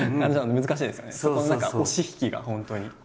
そこの押し引きが本当に。